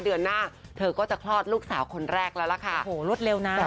เดือนหน้าเธอก็จะคลอดลูกสาวคนแรกแล้วละค่ะ